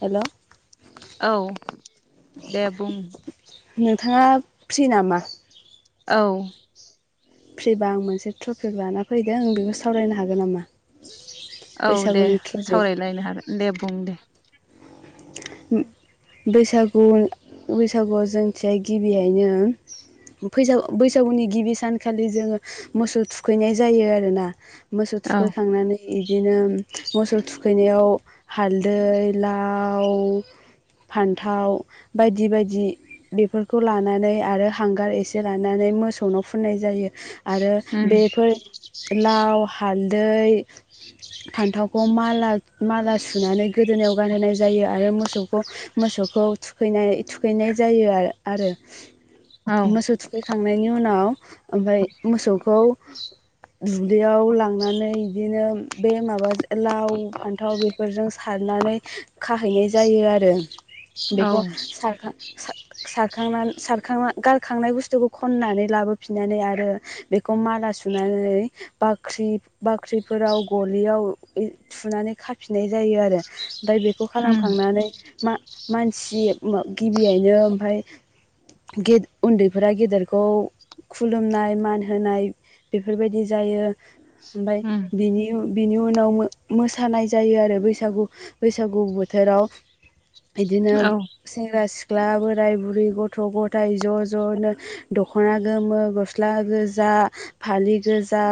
Hello औ दे बुं। नोंथाङा फ्रि नामा? औ। फ्रिबा आं मोनसे टपिक लाना फैदों आं बेखौ सावरायनो हागोन नामा? औ दे बैसागुनि टपिक सावरायलायनो हागोन दे बुं दे। बैसागु बैसागुआव जोंथिया गिबियावनो बैसाग-बैसागुनि गिबि सानखालि जोङो मोसौ थुखैनाय जायो आरोना। मोसौ औ थुखैखांनानै बिदिनो मोसौ थुखैनायाव हालदै लाव फान्थाव बायदि बायदि बेफोरखौ लानानै आरो हांगार एसे लानानै मोसौनाव फुननाय जायो। आरो उम बेफोर लाव हाल दै फान्थावखौ माला माला सुनानै गोदोनायाव गानहोनाय जायो आरो मोसौ मोसौखौ थुखै नाय थुखैनाय जायो आरो आरो औ मोसौ थुखैखांनायनि उनाव ओमफ्राय मोसौखौ दुब्लियाव लांनानै बिदिनो बे माबाजों लाव फान्थाव बेफोरजों सारनानै खाहैनो जायो आरो औ बेखौ उम सारखां- सार [unintelligible] खांनानै सारखांना गारखांनाय बुस्थुखौ खन्नानै लाबोफिननानै आरो बेखौ माला सुनानै बाख्रि बाख्रिफोराव गलियाव सुनानै खाफिननाय जायो आरो। ओमफ्राय बेखौ खालाम थांनानै मा मानसि गिबियैनो ओमफाय उन्दैफोरा गेदेरखौ खुलुमनाय मान होनाय बेफोरबायदि जायो। ओमफ्राय उम बेनि उन बिनि उनाव मोसानाय जायो आरो बैसागु बैसागु थोराव बिदिनो औ सेंग्रा सिख ख्ला बोराय बुरै गथ' गथाय ज' ज'नो दख'ना गोमो गस्ला गोजा फालि गोजा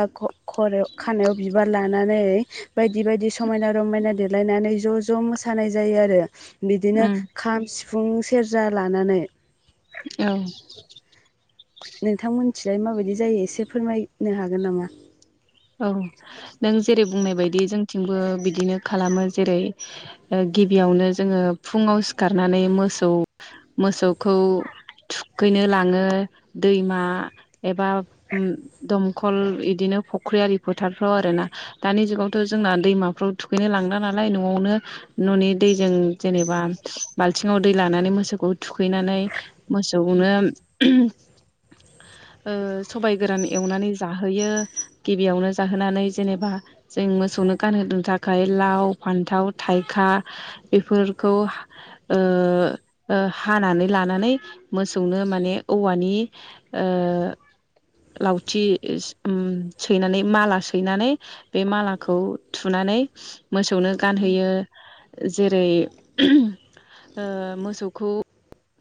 खर'याव खानायाव बिबार लानानै बायदि बायदि समायना रमायना देर देलायनानै ज' ज' मोस सानाय जायो आरो बिदिनो उम खाम सिफुं सेरजा लानानै। औ नोंथांमोन थिलानाय माबायदि जायो एसे फोरमायनो हागोन नामा? औ नों जेरै बुंनाय बायदि जोंथिंबो बिदिनो खालामो जेरै ओ गिबियावनो जोङो फुङाव सिखारनानै मोसौ मोसौखौ थुखैनो लाङो दैमा एबा ओम दमखल इदिनो फ ख्रि आरो फोथारफ्राव आरो ना दानि जुगावथ' जोंना दैमाफ्राव थुखैनो लांला नालाय न'आवनो न'नि दैजों जेनेबा बाल्थिङाव दै लानानै मोसौखौ थुखैनानै मोसौनो ओ सबाइ गोरान एवनानै जाहोयो गिबियावनो जाहोनानै जेनेबा जों मोसौनो गानहोनो थाखाय लाव फान्थाव थाइखा बेफोरखौ ओ हानानै लानानै मोसौनो माने औवानि ओ लावथि सि ओम सैनानै माला सैनानै बे मालाखौ थुनानै मोसौनो गानहोयो जेरै- ओ मोसौखौ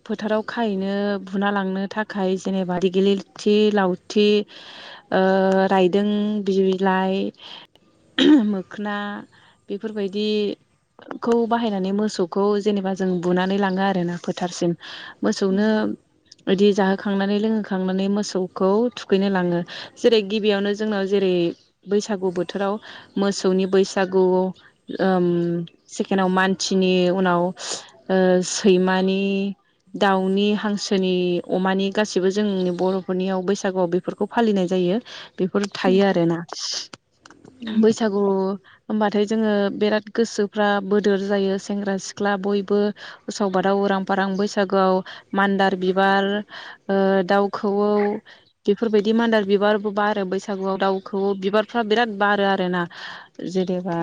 फोथाराव खाहैनो बुना लांनो थाखाय जेनेबा दिग्लिथि लावथि ओ रायदों बिलाइ मोखोना बेफोरबायदिखौ बाहायनानै मोसौखौ जेनेबा जों बुनानै लाङो आरोना फोथारसिम। मोसौनो इदि जाहोखांनानै लोंहोखांनानै मोसौखौ थुखैनो लाङो जेरै - गिबियावनो जोंनाव जेरै- बैसागु बोथोराव मोसौनि बैसागु ओम सेकेनआव मानसिनि उनाव ओ सैमानि दाउनि हांसोनि अमानि गासैबो जोंनि बर'फोरनियाव बैसागुआव बेफोरखौ फालिनाय जायो। बेफोर थायो आरोना। बैसागु होमबाथाय जोङो बिराद गोसोफ्रा बोदोर जायो सेंग्रा सिख्ला बयबो उसाव बादाव उरां फारां बैसागोआव मान्दार बिबार ओ दाउ खौवौ बेफोरबायदि मान्दार बिबार बारो बैसागुआव दाउखौ बिबारफ्रा बिराद बारो आरोना जेनेबा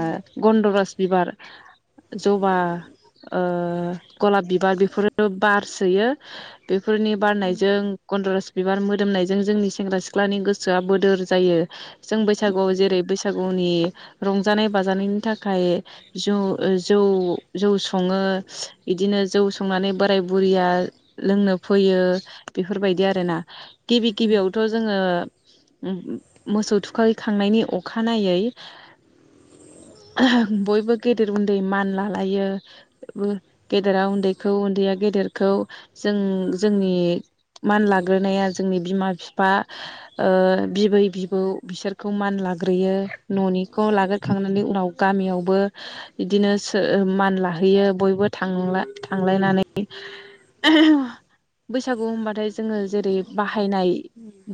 गन्दरस बिबार जबा ओ गलाब बिबार बेफोरो बारसोयो बे फोरनि बारनायजों गन्दरस बिबार मोदोमनायजों जोंनि सेंग्रा सिख्लानि गोस सोआ बोदोर जायो। जों बैसागुआव जेरै- बैसा सागुनि रंजानाय बाजानायनि थाखाय जौ जौ जौ सङो इदिनो जौ संनानै बोराय बुरैया लोंनो फैयो बेफोरबायदि आरोना। गिबि उम गिबियावथ' जोङो ओम मोसौ थुखैखांनायनि अखानायै [unintelligible] बयबो गेदेर उन्दै मान लालायो गेदेरा उन्दैखौ उन्दैया गेदेरखौ जों जोंनि मान लाग्रोनाया जोंनि बिमा बिफा ओ बिबै बिबौ बिसोरखौ मान लाग्रोयो न'निखौ लाग्रोखांनानै उनाव गामियावबो इदिनो सो मान लाहैयो बयबो थांला थांलायनानै [unintelligible] बैसागु होनबाथाय जोङो जेरै- बा हायनाय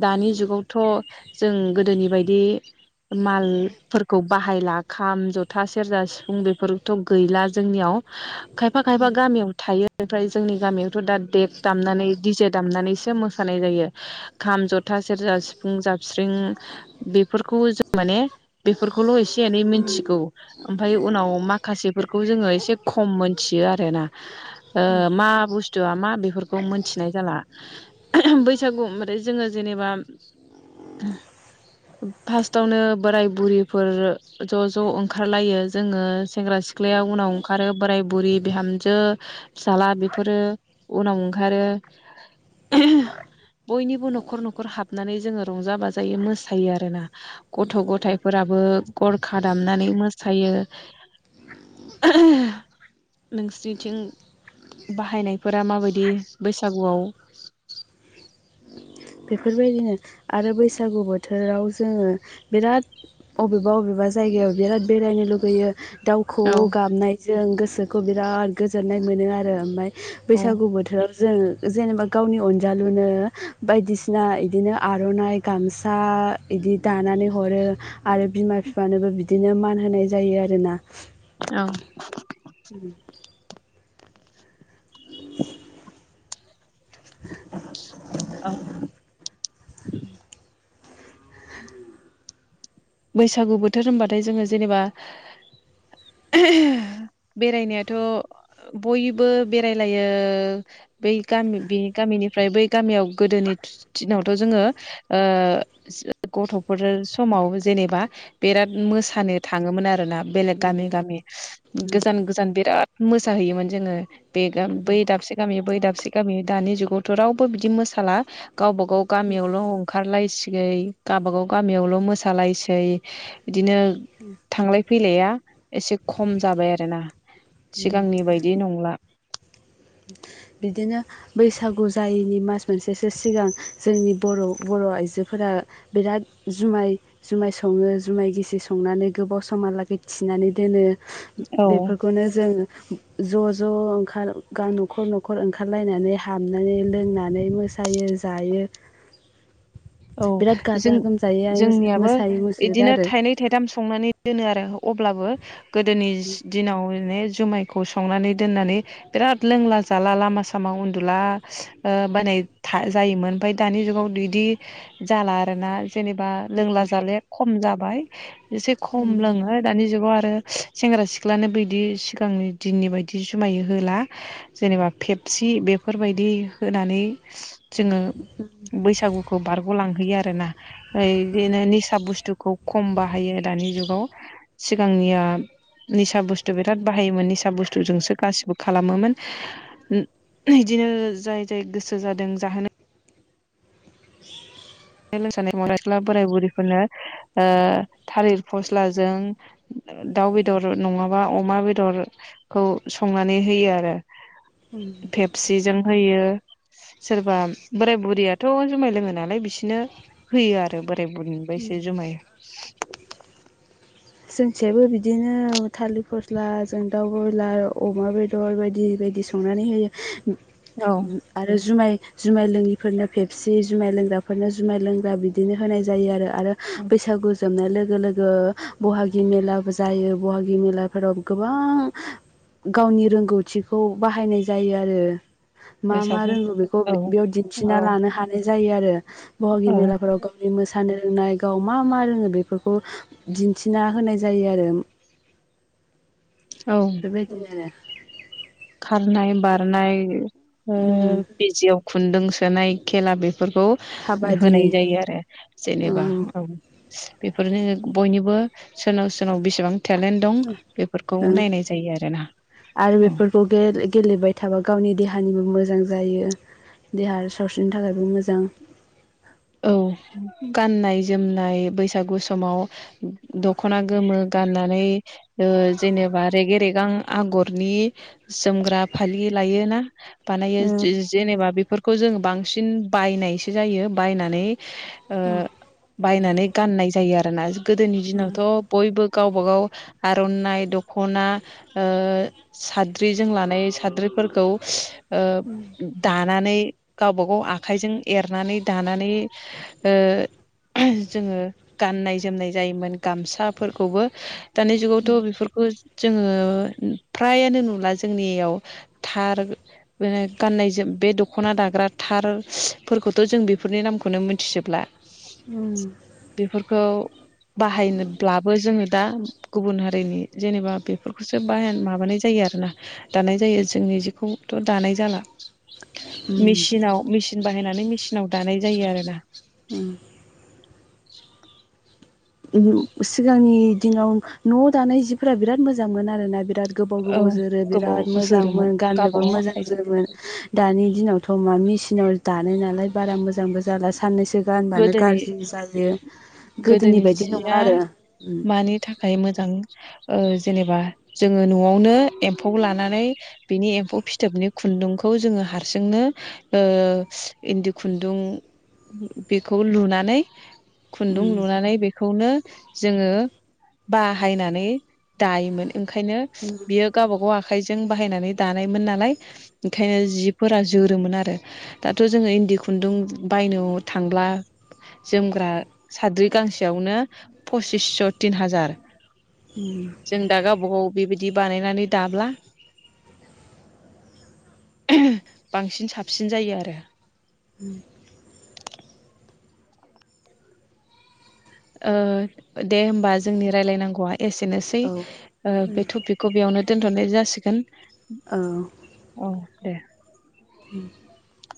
दानि जुग थ' जों गोदोनि बायदि मालफोरखौ बाहायला खाम जथा सेरजा सिफुं बेफोरथ' गैला जोंनियाव खायफा खायफा गामियाव थायो। ओमफ्राय जोंनि गामियावथ' दा देग दामनानै दि जे दामनानैसो मोसानाय जायो खाम जथा सेरजा सिफुं जाबस्रिं बेफोरखौ जों माने बेफोरखौल' एसे एनै उम उम मिनथिगौ ओमफ्राय उनाव माखासेफोरखौ जोङो एसे खम मोन्थियो आरो ना ओ मा बुस्थुआ मा बे फोरखौ मोनथिनाय जाला [unintelligible] बैसागु ओमफ्राय जोङो जेनेबा फार्स्टआवनो बोराय बुरिफोर ज' ज' ओंखारलायो जोङो सेंग्रा सिख्लाया उनाव ओंखारो बोराय बुरि बिहामजो फिसाज्ला बेफोरो उनाव ओंखारो। आरो बयनिबो न'खर न'खर हाब नानै जोङो रंजा बाजायै मोसायो आरोना गथ' गथाइफोराबो गरखा दामनानै मोसायो [unintelligible] नोंसिनिथिं बाहानायफोरा माबायदि बैसागुआव? बेफोरबायदिनो आरो बैसागु बोथोराव जोङो बिराद अबेबा अबेबा जायगायाव बिराद बेरायनो लुगैयो। दाउ औ खौऔ गाबनायजों गोस सोखौ बिराद गोजोननाय मोनो आरो ओमफाय औ बैसागु बोथोराव जों जेनेबा गावनि अनजालुनो बायदिसिना इदिनो आर'नाइ, गामसा बिदि दानानै हरो आरो बिमा फिफानोबो बिदिनो मान होनाय जायो आरो ना औ उम औ बैसागु बोथोर होनबाथाय जोङो जेनेबा [unintelligible] बेरायनायाथ' बयबो बेरायलायो बै गामि बे गामिनिफ्राय बै गामियाव गोदोनि दि-दिनावथ' जोङो ओ सो गथ'फोर समाव ज जेनेबा बेराद मोसानो थाङोमोन आरोना बेलेग गामि गामि गोजान गोजान बिराद मोसाहैयोमोन जोङो बे गामि बै दाबसे गामि बै दाबसे गामि दानि जुगावथ' रावबो बिदि मोसाला गावबा गाव गामियावल' ओंखारलायसिगै गावबा गाव गामियावल' मोसा सालायसै बिदिनो थांलाय फैलाया एसे खम जाबाय आरो ना सिगांनि बायदि नंला। बिदिनो बैसागु जायैनि मास मोनसेसो सिगां जोंनि बर' बर' आइजोफोरा बिराद जुमाय जुमाय सङो जुमाय गिसि संनानै गोबाव समहालागै थिनानै दोनो। औ बेफोरखौनो जोंङो ज'ज ज' ओंखार गान न'खर न'ख न'खर ओंखारलायनानै हाबनानै लोंनानै मोसायो जायो। औ बिराद जों गाजा गोमजायै जोंनियाबो मोसायो मुसुरो इदिनो आरो थाइनै थाइथाम संनानै दोनो आरो अब्लाबो गोदोनिस दिनावनेज जुमायखौ संनानै दोननानै बिराद लोंला जाला लामा सामा उन्दुला ओ बायनाय था जायोमोन ओमफाय दानि जुगाव बिदि जाला आरो ना जेनेबा लोंला जाले खम जाबाय। एसे खम लोङो दानि जुगाव आरो ओ सेंग्रा सिख्लानो बिदि सिगांनि दिननि बायदि जुमाय होला जेनेबा फेपसि बेफोरबायदि होनानै जोङो बैसागु लांहैयो आरोना यै इदिनो निसा बस्तुक खौ खम बाहायो दानि जुगाव सिगांनिया निसा बुस्थु बिराद बाहायोमोन निसा बुस्थुजोंसो गासिबो खालामोमोन उम इदिनो जाय जाय गोसो जादों जाहोनो ओ लोमसानाय फरायस्ला बोराय बुरिफोरनो ओ थालिर फस्लाजों दाउ बेदर नङाबा अमा बेदरखौ संनानै होयो आरो फेपसिजों होयो। सोरबा बोराय बुरियाथ' जुमाय लोङो नालाय बिसो दिनो होयो आरो बोर राय बुरिनिफाय एसे जुमाय जोंसेयाबो बिदिनो थालिर फस्ला जों दाउ बयलार अमा बेदर बायदि बायदि संनानै होयो औ आरो जुमाय जुमाय लोङिफोरनो फेबसे जुमाय लोंग्राफोरनो जुमाय लोंग्रा बिदिनो होनाय जायो आरो। आरो बैसागु जोबनाय लोग लोगो लोगो बहागि मेलाबो जायो बहागि मेलाफोराव गोबां गावनि रोंगौथिखौ बाहायनाय जायो आरो। मा मा बैसागु रोंगौ बेखौ औ बे बेयाव दिन्थिना औ लानो हानाय जायो आरो। बहागि औ मेलाफोराव [unintelligible] मोसानो रोंनाय गाव मा मा रोङो बेफोरखौ दि थिना होनाय जायो आरो। औ बेबायदिनो आरो खारनाय बारनाय ओ उम बेजिआव खुन्दुं सोनाय खेला बे बेफोरखौ काबादि होनाय जायो आरो जेनेबा औ। बेफोरनो बयनिबो सोरनाव सोरनाव बेसेबां टेलेन्ट दं बेफोरखौ ओं नायनाय जायो आरोना आरो औ। बेफोरखौ गेलेबाय थाबा गावनि देहानिबो मोजां जायो देहा सावस्रिनि थाखायबो मोजां। औ गाननाय जोमनाय बैसागु समाव दखना गोमो गाननानै ओ जेनेबा रेगे रेगां आगरनि जोमग्रा फालि लायो ना? बानायो जे जेनेबा बे बेफोरखौ जों बांसिन बायनायसो जायो। बायनानै ओ बायनानै गाननाय जायो आरोना। गोदोनि दिनावथ' बयबो गावबा गाव आर'नाइ दख'ना ओ साद्रिजों लानाय साद्रिफोरखौ ओ दानानै गावबागाव आखाइजों एरनानै दानानै ओ जोङो गाननाय जोमनाय जायोमोन गामसाफोरखौबो दानि जुगावथ' बेफोरखौ जोङो फ्रायानो नुला जोंनियाव थार गाननाय जोम बे दख'ना दाग्रा थारफोरखौथ' जों बे बेफोरनि नामखौनो मोनथिजोब्ला। बेफोरखौ बाहायनोब्लाबो जोङो दा गुबुन हारिनि जेनेबा बेफोरखौसो बाह माबानाय जायो आरोना दानाय जायो जोंनि जिखौथ' दानाय जाला। मिसिनाव मिसिन बाहायनानै मि सिनाव। दानाय जायो आरो ना। उम। सिगांनि दिनाव न'आव दानाय जिफोरा बिराद मोजांमोन आरोना बिराद गोबाव औ गोबाव जोरो गोबाव बिराद जोरोमोन मोजांमोन गाननोबो गावबागाव मोजां आखाइजों जोमोन दानि दिनावथ' मा मेसिनाव दानो नालाय बारा मोजांबो जाला साननैसो गानबानो गोदोनि गाज्रि जायो गोदोनि बायदि जिया नंला आरो मानि थाखाय मोजां? ओ जेनेबा जोङो न'आवनो एम्फौ लानानै बिनि एम्फौ फिथोबनि खुन्दुंखौ जोङो हारसिंनो ओ इन्दि खुन्दुं बेखौ लुनानै खुन्दुं लुनानै बेखौनो जोङो बाहायनानै दायोमोन। ओंखायनो बियो गावबा गाव आ आखाइजों बाहायनानै दानायमोन नालाय ओंखायनो जिफोरा जोरोमोन आरो। दाथ' जोङो इन्दि खुन्दुं बायनो थांब्ला जोमग्रा साद्रि गांसेयावनो पसिसस' तिन हाजार, जों दा गावबागाव बेबा यदि बानायनानै दाब्ला बांसिन साबसिन जायो आरो। उम ओ दे होमबा जोंनि रायलायनांगौवा एसेनोसै। औ ओ बे थपिखखौ बेयावनो दोनथ'नाय जासिगोन। औ औ दे। [inaudible]